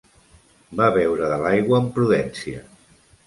Va beure de l'aigua amb prudència.